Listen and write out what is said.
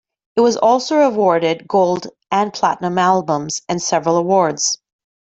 It was also awarded gold and platinum albums, and several awards.